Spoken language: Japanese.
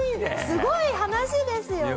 すごい話ですよね。